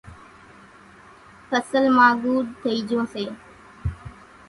ڦصل مان ڳُوڏ ٿئِي جھون سي۔